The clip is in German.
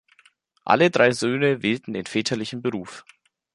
Alle drei Söhne wählten den väterlichen Beruf.